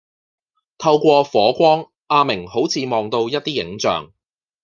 透過火光阿明好似望到一啲影像